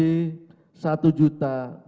yang setelah dipotong utang piutang